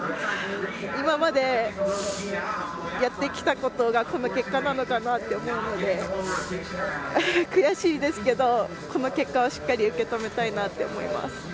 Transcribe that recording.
今まで、やってきたことがこの結果なのかなと思うので悔しいですけど、この結果をしっかり受け止めたいと思います。